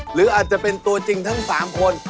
หรืออาจจะเป็นตัวจริงทั้ง๓คน